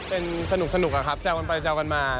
เป็นสนุกอะครับแซวกันไปแซวกันมา